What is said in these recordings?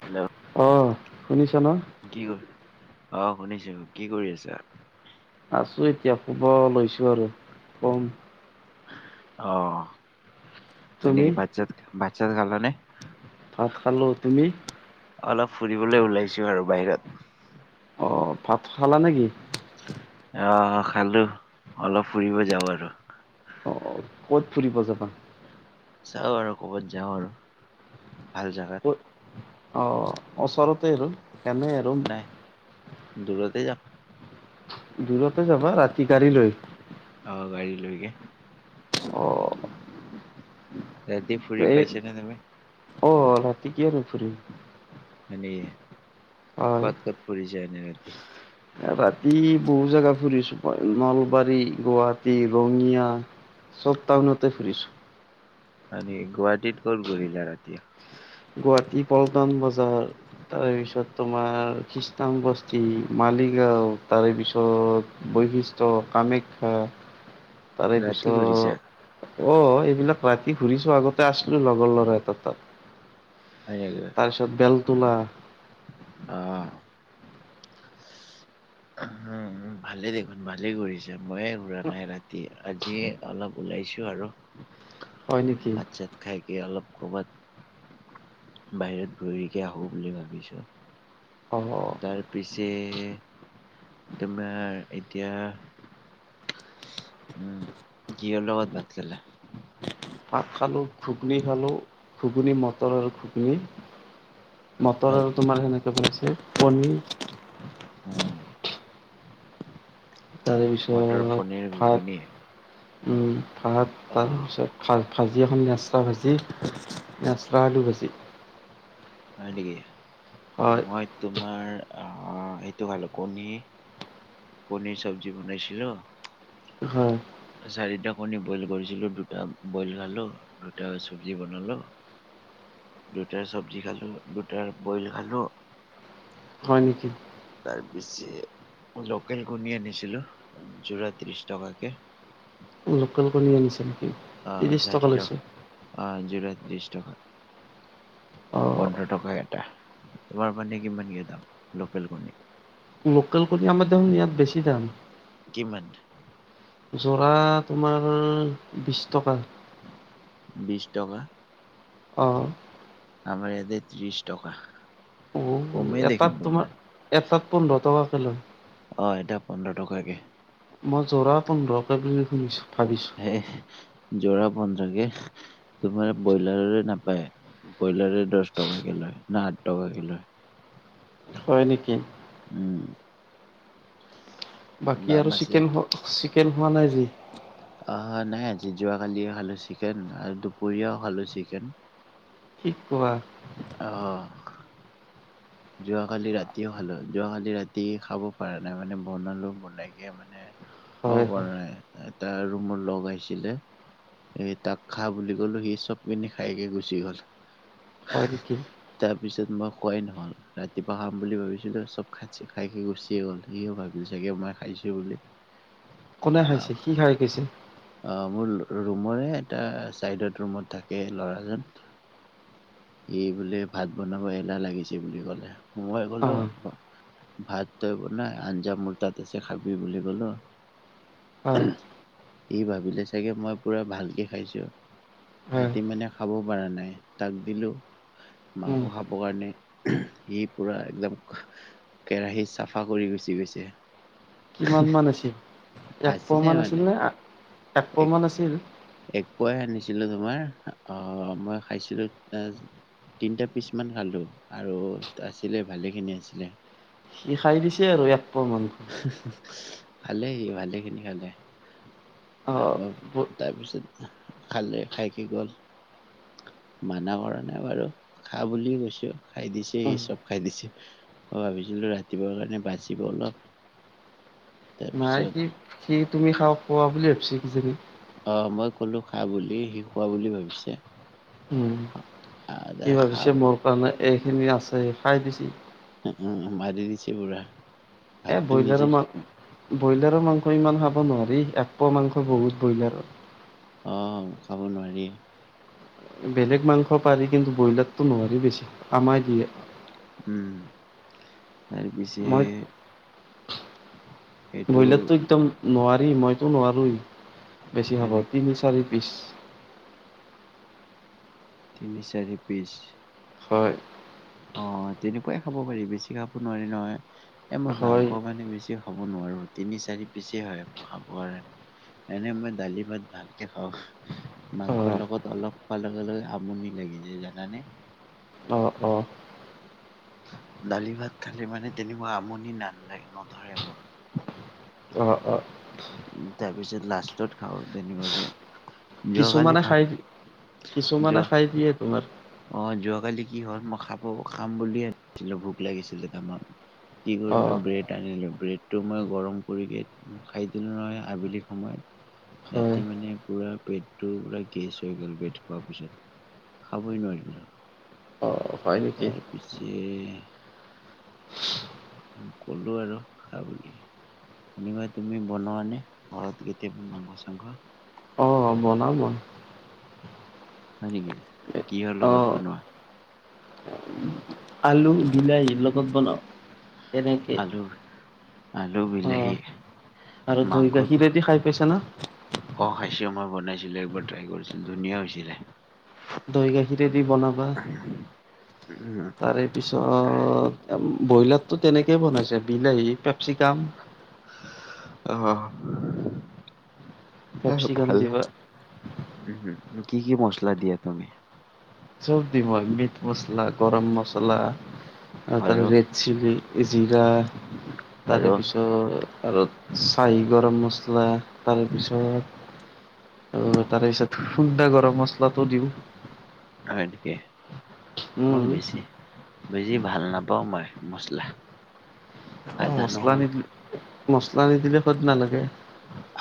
Hello. অ শুনিছ ন। কি হল, কৰি অ শুনিছো কি কৰি আছা? আছো এতিয়া শুব লৈছো আৰু কম। অ হয় তুমি নেকি, ভাত চাত ভাত চাত খাল নে? ভাত খালোঁ। তুমি? অলপ ফুৰিবলৈ ওলাইছো আৰু বাহিৰত। অ, ভাত খালা নেকি? আহ খালো, অলপ ফুৰিব যাওঁ আৰু। অ ক'ত ফুৰিব যাবা? চাওঁ আৰু ক'বাত যাওঁ আৰু ভাল জেগাত। অ, ওচৰতে আৰু এনে আৰু। নাই দূৰতে যাম। দূৰতে যাবা ৰাতি গাড়ী লৈ? অ গাড়ী লৈকে। অ যদি ফুৰি এই পাইছো নে তুমি? অ ৰাতি কি আৰু ফুৰিম। এনে হয় কত কত ফুৰিছা এনেই ৰাতি? ৰাতি বহুত জেগা ফুৰিছোঁ নলবাৰী, গুৱাহাটী, ৰঙিয়া চব টাউনাতে ফুৰিছো। হয় নি, গুৱাহাটীত কত ঘূৰিলা ৰাতি? গুৱাহাটী পল্টন বজাৰ, তাৰে পিছত তোমাৰ খ্ৰীষ্টংবস্তি, মালিগাঁও তাৰে পিছত বৈশিষ্ট্য, কামাখ্যা তাৰে ৰাতি ঘূৰিছা পিছত অ এইবিলাক ৰাতি ঘুৰিছো আগতে আছিলোঁ লগৰ ল'ৰা এটা তাত। [unintelligible] তাৰপিছত বেলতোলা অ ভালেই দেখোন ভালেই ঘূৰিছে ময়ে ঘূৰা নাই ৰাতি আজি অলপ ওলাইছোঁ আৰু। হয় নেকি। খাই কি অলপ কবাত বাহিৰত ঘূৰিকে আহো বুলি ভাবিছো। [unintelligible] তাৰপিছে তোমাৰ এতিয়া উম কিহৰ‌ লগত ভাত খালা? ভাত খালোঁ ঘুগনি খালোঁ ঘুগনি মটৰ আৰু ঘুগনি মটৰ হয় আৰু নেকি তোমাৰ সেনেকে বনাইছে পনীৰ উ তাৰে মটৰ পিছত পনীৰ ভাত ঘুগুনি উম ভাত অ তাৰ পিছ ফাল‌ ফাল‌ ভাজি এখন নেচা ভাজি নেচা আলু ভাজি হয় নেকি হয় মই তোমাৰ অ এইটো খালোঁ কণী পনীৰ চব্জি বনাইছিলোঁ হয়। চাৰিটা কণী বইল কৰিছিলোঁ দুটা বইল খালোঁ দুটা চব্জি বনালো দুটাৰ চব্জি খালোঁ দুটাৰ বইল খালোঁ। হয় নিকি? তাৰ পিছে লোকেল কণী আনিছিলোঁ যোৰা ত্ৰিছ টকাকে। লোকেল কণী আনিছা নেকি আহ ত্ৰিছ ষাঠি টকা লৈছে অ যোৰা ত্ৰিছ টকা। অঁ পোন্ধৰ টকা এটা তোমাৰ মানে কিমানকে দাম লোকেল কণী লোকেল কণী আমাৰ দেখোন ইয়াত বেছি দাম। কিমান? যোৰা তোমাৰ বিছ টকা। বিছ টকা। অ। আমাৰ ইয়াতে ত্ৰিশ টকা। কমেই দেখোন এটাত তোমাৰ এটাত পোন্ধৰ টকাকে লয় অ এটা পোন্ধৰ টকাকে। মই যোৰা পোন্ধৰকে বুলি শুনিছোঁ ভাবিছোঁ। এ যোৰা পোন্ধৰকে। তোমাৰ ব্ৰইলাৰৰে নাপায় ব্ৰইলাৰে দহ টকাকে লয় না আঠ টকাকে লয়। হয় নেকি? উম। বাকী দাম আৰু আছে। চিকেন চিকেন হোৱা নাই আজি। অ হয় নাই আজি যোৱাকালি খালোঁ চিকেন আৰু দুপৰীয়াও খালোঁ চিকেন। কি কোৱা। অ। যোৱাকালি ৰাতিও খালোঁ যোৱাকালি ৰাতি খাব পৰা নাই মানে বনালো বনাই কে মানে। হয় খাব হয় পৰা নাই এটা ৰুমৰ লগ আহিছিলে। এই তাক খাহ বুলি ক'লো সি চব পিনি খাইকে গুচি গ'ল। হয় নিকি। তাৰ পিছত মই খোৱাই নহ'ল। ৰাতিপুৱা খাম বুলি ভাবিছিলোঁ চব খাই খাই খি গুচিয়ে গ'ল সিও ভাবিল চাগে মই খাইছোঁ বুলি। কোনে খাইছে আহ কি খাই কৈছে। অ মোৰ ৰুমৰে এটা চাইডত ৰুমত থাকে ল'ৰাজন। এই বোলে ভাত বনাব এলাহ লাগিছে বুলি ক'লে মই কলোঁ। অঁ ভাত তই বনা, আঞ্জা মোৰ তাত আছে খাবি বুলি ক'লো। হয় সি ভাবিলে চাগে, মই পুৰা ভালকে খাইছোঁ। হয় ৰাতি মানে খাব পৰা নাই, তাক দিলো, মাংস উম, খাবৰ কাৰণে। সি পুৰা একদম কেৰাহী চাফা কৰি গুচি গৈছে। কিমান মান আছিল একপোৱা আছিলে মান আছিল মানে নে একপোৱা এক মান আছিল। এক পুৱা'হে আনিছিলো তোমাৰ, আহ মই খাইছিলো এ তিনিটা পিছমান খালোঁ আৰু আছিলে ভালেখিনি আছিলে। সি খাই দিছে আৰু একপ মান। ভালেইহি ভালে খিনি খালে। অ তাপা তাৰপিছত খালে খাইকি গ'ল। মানা কৰা নাই বাৰু খা বুলি কৈছো, খাই দিছে উম সি চব খাই দিছে। ম ভাবিছিলো ৰাতিপুৱাৰ কাৰণে বাচিব অলপ, নাই তাৰপিছত সি সি তুমি খাও খোৱা বুলি ভাবিছে কি জানি। অ মই কলো খা বুলি, সি খোৱা বুলি ভাবিছে। উম আহ হি ভাবিছে, খাব মোৰ কাৰণে এইখিনি আছে খাই দিছে। উ উম মাৰি দিছে বুঢ়া। এ ব্ৰইলাৰৰ মাং ব্ৰইলাৰৰ মাংস ইমান খাব নোৱাৰি। এক পোৱা মাংস বহুত ব্ৰইলাৰ। অ খাব নোৱাৰিএ। বেলেগ মাংস পাৰি, কিন্তু ব্ৰইলাৰতো নোৱাৰি বেছি আমাই দিয়ে। উম তাৰ পিছে মই ব্ৰইলাৰতো একদম নোৱাৰি, মইতো নোৱাৰোএ, বেছি হয় খাব নেকি তিনি চাৰি পিচ। তিনি চাৰি পিচ। হয়। অ তেনেকুৱাই খাব পাৰি, বেছি খাব নোৱাৰি নহয়। এ মই হয় মাংস মানে বেছি খাব নোৱাৰোঁ, তিনি চাৰি পিচেই হয়। খাব কাৰ এনে মই দালি - ভাত ভালকে খাওঁ। অ মাংসৰ লগত অলপ হোৱাৰ লগে লগে আমনি লাগি যায় জানানে? অ অ। দালি ভাত খালে মানে তেনেকুৱা আমনি ন নধৰে মোৰ। অঁ অঁ। তাৰপিছত লাষ্টত খাওঁ যেনুৱাকে। কিছুমানে খাই, কিছুমানে যোৱা খাই দিয়ে তোমাৰ। অ যোৱাকালি কি হ'ল, মই খাব খাম বুলি আনিছিলো ভোক লাগিছিলে তাৰামান। কি কৰিলোঁ অ' ব্ৰেড আনিলোঁ, ব্ৰেডটো মই গৰম কৰি উ খাই দি লো নহয় আবেলি সময়ত। হয় ৰাতি মানে পুৰা পেটটো পুৰা গেছ হৈ গ'ল বেট খোৱাৰ পিছত। খাবই নোৱাৰি। অ' হয় নেকি? তাৰ পিছে কলো আৰু খা বুলি। তেনেকুৱা তুমি বনোৱা নে, ঘৰত কেতিয়াবা মাংস - চাংস? অঁ বনাও মই। হয় নেকি, কিহৰ লগত বনোৱা? উ [inaudible] আলু, বিলাহী লগত বনাওঁ। আলু-আলু, বিলাহি। অ' আৰু দৈ গাখীৰেদি খাই পাইছা না? অ খাইছো মই বনাইছিলো এবাৰ ট্ৰাই কৰিছিলো, ধুনীয়া হৈছিলে। দৈ গাখীৰেদি বনাবা। [inaudible] উম তাৰে পিছত ব্ৰইলাৰতো তেনেকেই বনাইছে বিলাহী, পেপচিকাম অহ, এ কেপচিকাম ভালে। দিবা উম হুম, কি কি মছলা দিয়া তুমি? চব দিম মই মিট মছলা, গৰম মছলা আৰু তাৰপিছত হে চিলি, জিৰা তাৰে আৰু পিছত আৰু চাহী গৰম মছলা তাৰেপিছত আৰু তাৰে পিছত সুনডা গৰম মছলাটো দিওঁ। হয় নেকি? মই উম। বেছি বেছি ভাল নাপাওঁ মই মছলা। এই আদা মছলা নহৰু নিদিলে মছলা নিদিলে সোৱাদ নালাগে।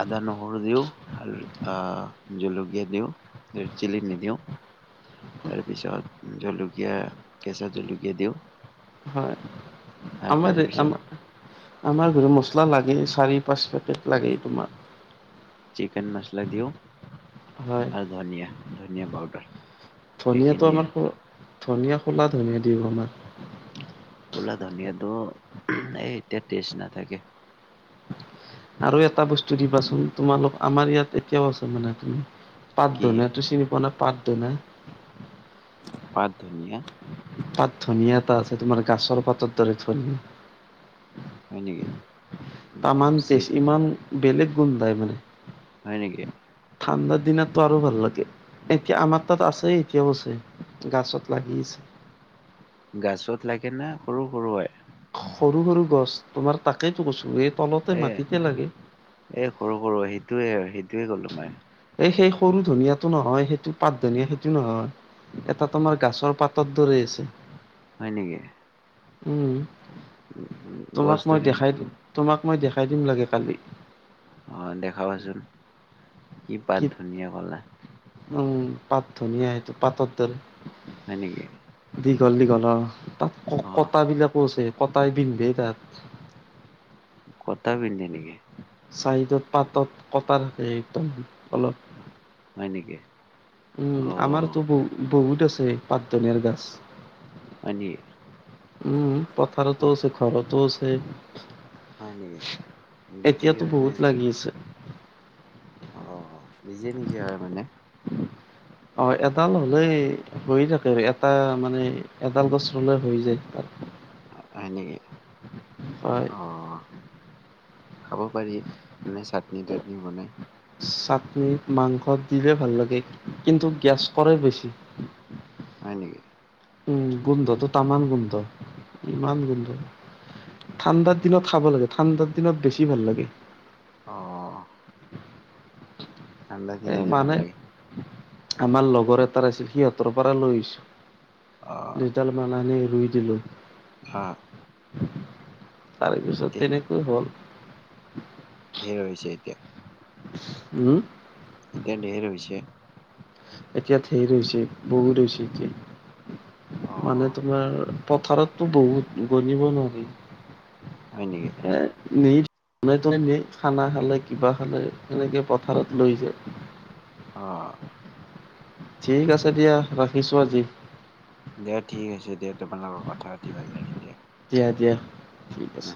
আদা, নহৰু দিওঁ আৰ আ জলকীয়া দিওঁ। ৰেড চিলি নিদিও। তাৰপিছত জলকীয়া কেঁচা জলকীয়া দিও। হয়। আমাৰ যে তাৰপিছত আমাৰ আমাৰ ঘৰত মছলা লাগে চাৰি - পাঁচ পেকেট লাগেই তোমাৰ। চিকন মচলা দিও হয়। আৰু ধনিয়া - ধনিয়া পাউডাৰ। ধনিয়াটো আমাৰফ, ধনিয়া খোলা ধনিয়া দিও আমাৰ। খোলা ধনিয়াটো এই এতিয়া টেষ্ট নাথাকে। আৰু এটা বস্তু দিবাচোন তোমালোক আমাৰ ইয়াত এতিয়াও আছে মানে তুমি পাত কি ধনিয়াটো চিনি পোৱা নাই পাত ধনে? পাত ধনিয়া। পাত ধনিয়া এটা আছে তোমাৰ গাছৰ পাতৰ দৰে ধনিয়া। হয় নেকি? তামান তেজ ইমান বেলেগ গোন্ধায় মানে। হয় নেকি? ঠাণ্ডাৰ দিনটো আৰু ভাল লাগে, এতিয়া আমাৰ তাত আছেই এতিয়াও আছে। গাছত লাগি আছে। গাছত লাগে না সৰু সৰুৱাই। সৰু সৰু গছ তোমাৰ তাকেইতো কছো এই তলতে মাটিতে লাগে। এ সৰু সৰু সেইটোৱে সেইটোৱে কলো মাই। এই সেই সৰু ধনিয়াটো নহয় সেইটো পাত ধনিয়া সেইটো নহয়। এটা তমাৰ গাছৰ পাতত দৰে আছে। হয় নেকি? উম, তোমাক গছটো মই কি দেখাই দিম। তোমাক মই দেখাই দিম লাগে কালি। অ দেখাবাচোন কি পাত ধুনীয়া কলা? উম পাত ধনিয়া সেইটো পাতৰ দৰে হয় নেকি? দীঘল দীঘল অ তাত ক অ কটা বিলাকো আছে কটাই বিন্ধে তাক। কতা পিন্ধে নেকি? চাইডত পাতত কটা থাকে একদম অলপ। হয় নেকি? উম অ আমাৰতো বহু বহুত আছে পাত ধনীয়াৰ গাছ। হয় নি? উম পথাৰতো আছে ঘৰতো আছে। হয় নেকি? বিক্ৰী এতিয়াতো হয় নে বহুত এতিয়া? লাগি আছে। অ নিজে নিজে হয় মানে। অ এডাল হলেই হৈয়ে থাকে আৰু এটা মানে এডাল গছ ৰুলে হৈ যায় তাত। অ হয় নেকি? হয়। অহ খাব পাৰি, মানে চাটনি তাটনি বনাই। চাটনি মাংস দিলে ভাল লাগে। কিন্তু গেছ কৰে বেছি। হয় নেকি উম গোন্ধটো তামাম গোন্ধ ইমান গোন্ধ। ঠাণ্ডাৰ দিনত খাব লাগে ঠাণ্ডাৰ দিনত বেছি ভাল লাগে। অ ঠাণ্ডা এ দিনতে ভাল মানে লাগে। আমাৰ লগৰ এটাৰ আছিল, সিহঁতৰ পৰা লৈছো। অ' দুইডাল মান আনি ৰুই দিলো। হা তাৰ পিছত এতিয়া তেনেকৈ হল। ধেৰ হৈছে এতিয়া। উম। এতিয়া ধেৰ হৈছে। এতিয়া ধেৰ হৈছে, বহুত হৈছে এতিয়া। মানে অ' তোমাৰ পথাৰতো বহুত, গনিব নোৱাৰি। হয় নেকি এ নি নি খানা খালে কিবা খালে সেনেকে পথাৰত লৈ যায়। অহ। ঠিক আছে দিয়া, ৰাখিছোঁ আজি। দে ঠিক আছে দিয়া, তোমাৰ লগত কথা পাতি ভাল লাগিল দিয়া। দিয়া দিয়া, ঠিক আছে।